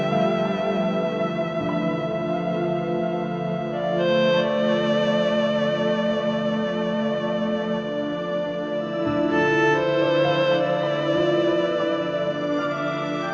saya dishes ter média